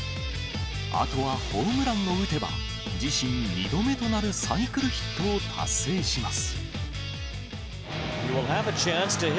あとはホームランを打てば、自身２度目となるサイクルヒットを達成します。